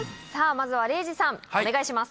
まずは礼二さんお願いします。